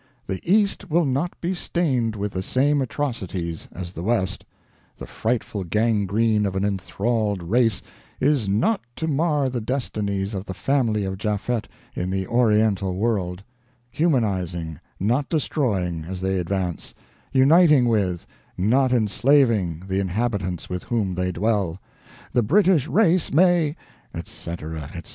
The East will not be stained with the same atrocities as the West; the frightful gangrene of an enthralled race is not to mar the destinies of the family of Japhet in the Oriental world; humanizing, not destroying, as they advance; uniting with, not enslaving, the inhabitants with whom they dwell, the British race may," etc., etc.